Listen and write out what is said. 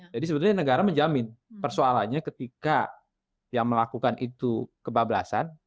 jadi sebetulnya negara menjamin persoalannya ketika yang melakukan itu kebablasan